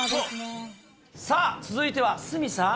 さあ、続いては鷲見さん。